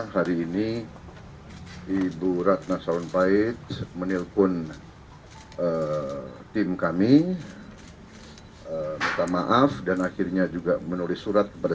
hari ini ibu ratna sarumpait menelpon tim kami minta maaf dan akhirnya juga menulis surat kepada